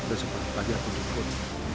udah sempet pagi aku ikut